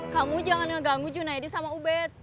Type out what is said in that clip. kamu jangan ngeganggu junaidi sama ubed